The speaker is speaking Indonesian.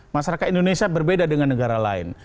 masyarakat indonesia berbeda dengan negara lain